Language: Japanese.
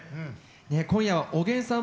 今夜はおげんさん